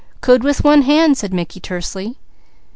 "Could with one hand," said Mickey tersely.